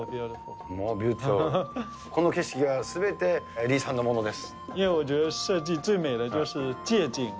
この景色がすべて李さんのものです。